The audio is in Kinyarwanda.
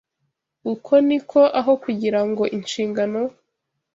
Uko ni ko aho kugira ngo inshingano